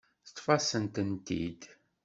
Teṭṭef-asen-tent-id.